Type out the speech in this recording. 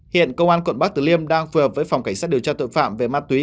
hiện công an quận bắc tử liêm đang phù hợp với phòng cảnh sát điều tra tội phạm về ma túy